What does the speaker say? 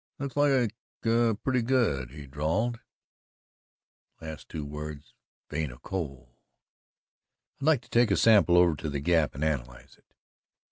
"That looks like a pretty good " he drawled the last two words "vein of coal. I'd like to take a sample over to the Gap and analyze it."